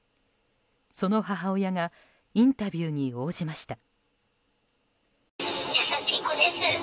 その母親がインタビューに応じました。